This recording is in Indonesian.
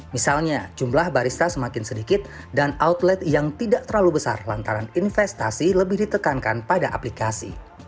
misalnya jumlah barista semakin sedikit dan outlet yang tidak terlalu besar lantaran investasi lebih ditekankan pada aplikasi